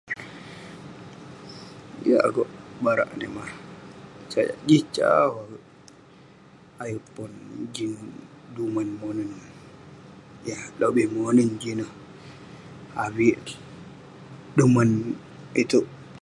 Yeng akouk barak menimah, sajak jin sau akouk ayuk pon..jin duman monen..yah lobih monen jin ineh..avik duman itouk